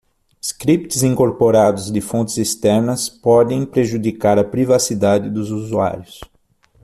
Scripts incorporados de fontes externas podem prejudicar a privacidade dos usuários.